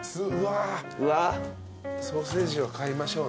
ソーセージは買いましょうね。